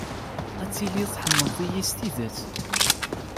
Ad tilid tḥemmled-iyi s tidet.